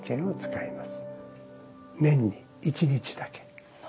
年に一日だけ。